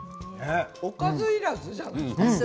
おかずいらずじゃない？